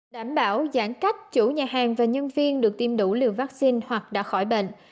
đảm bảo giãn cách chủ nhà hàng và nhân viên được tiêm đủ liều vaccine hoặc đã khỏi bệnh